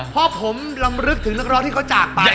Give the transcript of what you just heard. เพราะผมลำลึกถึงนักร้องที่เขาจากไป